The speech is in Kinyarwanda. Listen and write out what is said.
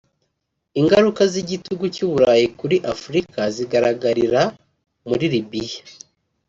Ingaruka z’igitugu cy’u Burayi kuri Afurika zigaragarira muri Libye